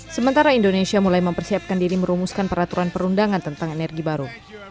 sementara indonesia mulai mempersiapkan diri merumuskan peraturan perundangan tentang energi baru